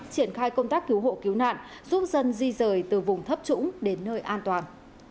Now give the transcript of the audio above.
triển khai công tác cứu hộ cứu nạn giúp dân di rời từ vùng thấp trũng đến nơi an toàn